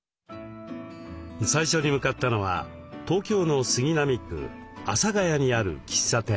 最初に向かったのは東京の杉並区阿佐ヶ谷にある喫茶店。